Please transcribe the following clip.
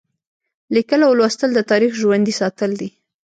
لیکل او لوستل د تاریخ ژوندي ساتل دي.